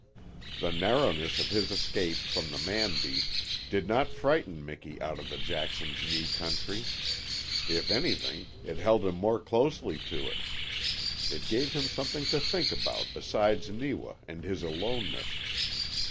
The narrowness of his escape from the man beast did not frighten Miki out of the Jackson's Knee country. If anything, it held him more closely to it. It gave him something to think about besides Neewa and his aloneness.